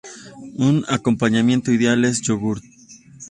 Un acompañamiento ideal es yogur.